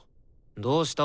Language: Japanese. どうした？